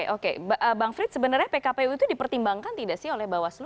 oke bang frits sebenarnya pkpu itu dipertimbangkan tidak sih oleh bawaslu